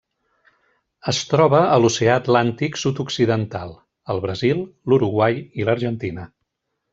Es troba a l'Oceà Atlàntic sud-occidental: el Brasil, l'Uruguai i l'Argentina.